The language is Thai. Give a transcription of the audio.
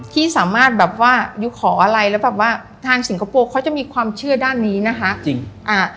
ที่สามารถอยู่ขออะไรแล้วแบบว่าทางสิงคโปร์เขาจะมีความเชื่อด้านนี้นะคะ